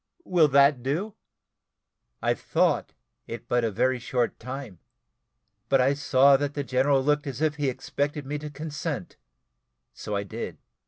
Will that do?" I thought it but a very short time, but I saw that the general looked as if he expected me to consent; so I did.